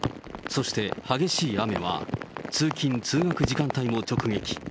そして、激しい雨は通勤・通学時間帯を直撃。